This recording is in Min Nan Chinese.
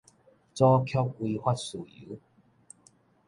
阻卻違法事由